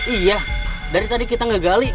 iya dari tadi kita gak gali